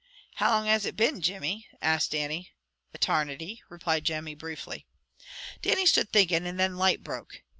"How long has it been, Jimmy?" asked Dannie. "Etarnity!" replied Jimmy briefly. Dannie stood thinking, and then light broke.